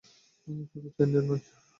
শুধু চেন্নাইয়েই নয়।